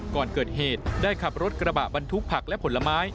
ก่อนเกิดเหตุได้ขับรถกระบะบรรทุกผักและผลไม้